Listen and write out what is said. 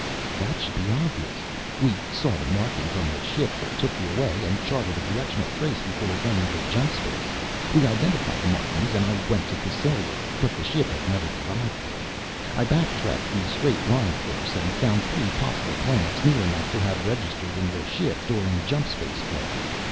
"That should be obvious. We saw the markings on the ship that took you away and charted a directional trace before it went into jump space. We identified the markings and I went to Cassylia, but the ship had never arrived there. I back tracked the straight line course and found three possible planets near enough to have registered in the ship during jump space flight.